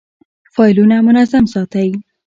فایلونه منظم ساتئ؟